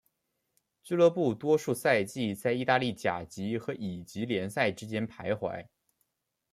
俱乐部多数赛季在意大利甲级和乙级联赛之间徘徊。